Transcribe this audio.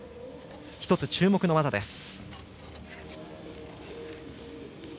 １つ注目の技です。